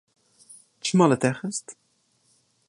Çima li te xist?